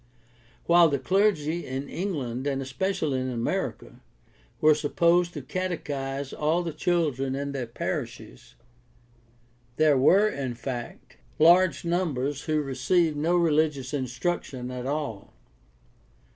While the clergy in England, and especially in America, were supposed to catechize all the children of their parishes, there were in fact large numbers who received no religious instruction at all.